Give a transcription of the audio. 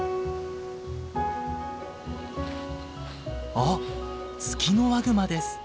あっツキノワグマです。